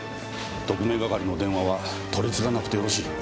特命係の電話は取り次がなくてよろしい。